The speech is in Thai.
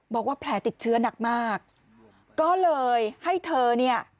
บอกว่าแผลติดเชื้อหนักมากก็เลยให้เธอเนี่ย